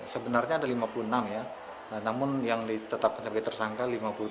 sebenarnya ada lima puluh enam ya namun yang ditetapkan sebagai tersangka lima puluh tujuh